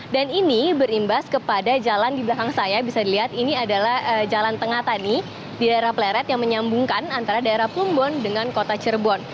dan ini berimbas kepada jalan di belakang saya bisa dilihat ini adalah jalan tengah tani di daerah peleret yang menyambungkan antara daerah plumbon dengan kota cirebon